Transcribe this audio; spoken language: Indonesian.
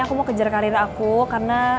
aku mau kejar karir aku karena